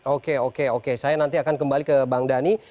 oke oke oke saya nanti akan kembali ke bang dhani